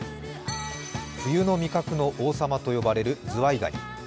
冬の味覚の王様と呼ばれるズワイガニ。